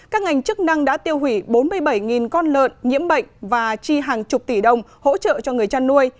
các ngành chức năng đã tiêu hủy bốn mươi bảy con lợn nhiễm bệnh và chi hàng chục tỷ đồng hỗ trợ cho người chăn nuôi